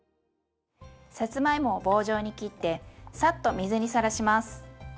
さつまいもは棒状に切ってサッと水にさらします。